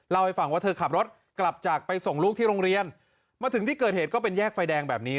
เล่าให้ฟังว่าเธอขับรถกลับจากไปส่งลูกที่โรงเรียนมาถึงที่เกิดเหตุก็เป็นแยกไฟแดงแบบนี้